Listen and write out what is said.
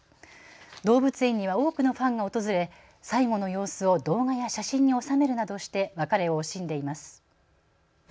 動物園には多くのファンが訪れ最後の様子を動画や写真に収めるなどして別れを惜しんでいます。